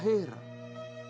semua yang ingin sohir